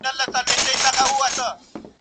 د دوو روپو سپى و، د لسو روپو ځنځير ئې يووی.